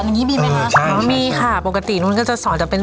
อย่างนี้มีไหมคะสอนมีค่ะปกตินู้นก็จะสอนจะเป็น